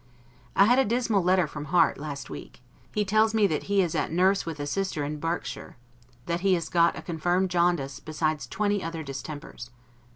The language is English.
I had a dismal letter from Harte, last week; he tells me that he is at nurse with a sister in Berkshire; that he has got a confirmed jaundice, besides twenty other distempers.